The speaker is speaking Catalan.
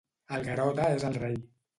El Garota és el rei.